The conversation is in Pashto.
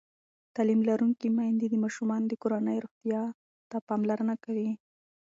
تعلیم لرونکې میندې د ماشومانو د کورنۍ روغتیا ته پاملرنه کوي.